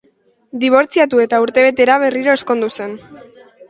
Dibortziatu eta urtebetera, berriro ezkondu zen.